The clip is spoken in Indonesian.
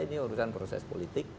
ini urusan proses politik